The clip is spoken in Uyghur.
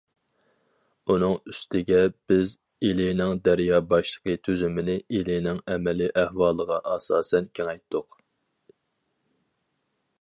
ئۇنىڭ ئۈستىگە بىز ئىلىنىڭ دەريا باشلىقى تۈزۈمىنى ئىلىنىڭ ئەمەلىي ئەھۋالىغا ئاساسەن كېڭەيتتۇق.